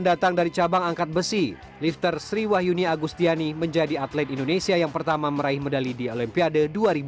dan datang dari cabang angkat besi lifter sri wahyuni agustiani menjadi atlet indonesia yang pertama meraih medali di olimpiade dua ribu enam belas